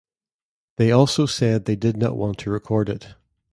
They also said they did not want to record it.